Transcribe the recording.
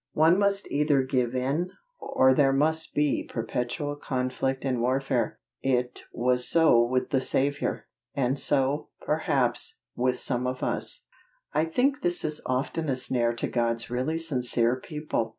One must either give in, or there must be perpetual conflict and warfare. It was so with the Saviour, and so, perhaps, with some of us. I think this is often a snare to God's really sincere people.